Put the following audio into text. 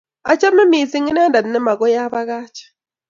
Achame missing' inendet ne makoy apakach.